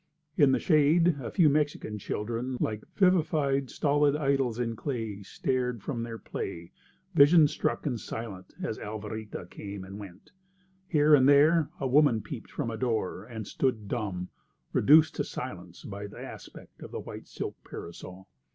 In the shade a few Mexican children, like vivified stolid idols in clay, stared from their play, vision struck and silent, as Alvarita came and went. Here and there a woman peeped from a door and stood dumb, reduced to silence by the aspect of the white silk parasol.